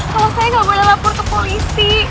kalau saya nggak boleh lapor ke polisi